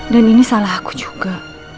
dan ini salah aku juga